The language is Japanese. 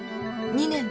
２年。